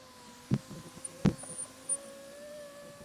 কিন্তু দেশে ফিরে বিচ্ছেদের কথা অস্বীকার করে তালেবানের আদালতে যান তিনি।